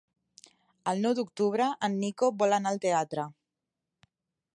El nou d'octubre en Nico vol anar al teatre.